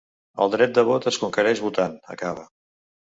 El dret de vot es conquereix votant, acaba.